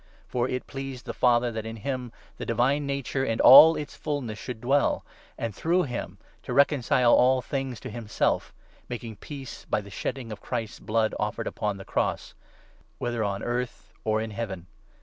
For it pleased the Father that in him the divine nature in all its fulness H|> should dwell, and through him to reconcile all Reoonciiia things to himself (making peace by the shedding tion. Of Christ's blood offered upon the cross) — whether on earth or in Heaven.